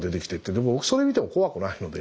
でも僕それ見ても怖くないので。